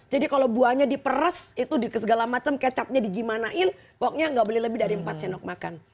jadi kalau buahnya diperas itu di segala macam kecapnya di gimanain pokoknya gak boleh lebih dari empat sendok makan